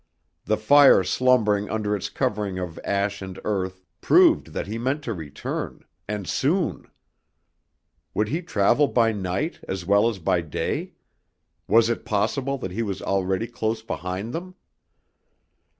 The fire slumbering under its covering of ash and earth proved that he meant to return and soon. Would he travel by night as well as by day? Was it possible that he was already close behind them?